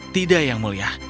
tidak yang mulia